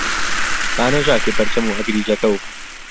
با نهژاکێ پهرچهم و ئهگریجهکهو